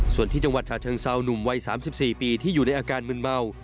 ส่วนที่จังหวัดฉะเชิงเซาหนุ่มวัย๓๔ปีที่อยู่ในอาการมึนเมา